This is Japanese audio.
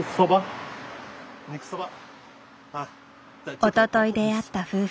おととい出会った夫婦。